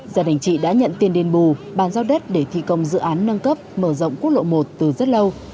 gia đình chị đã nhận tiền đền bù bàn giao đất để thi công dự án nâng cấp mở rộng quốc lộ một từ rất lâu